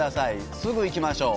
すぐいきましょう。